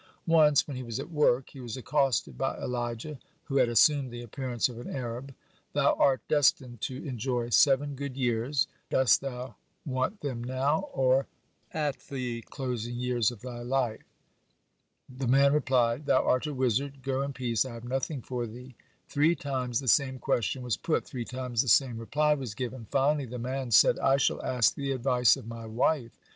Once, when he was at work, he was accosted by Elijah, who had assumed the appearance of an Arab: "Thou art destined to enjoy seven good years. When dost thou want them now, or as the closing years of thy life?" The man replied: "Thou art a wizard; go in peace, I have nothing for thee." Three times the same question was put, three times the same reply was given. Finally the man said: "I shall ask the advice of my wife."